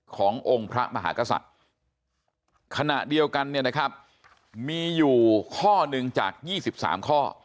ขององค์พระมหากษัตริย์ขณะเดียวกันมีอยู่ข้อ๑จาก๒๓ข้อ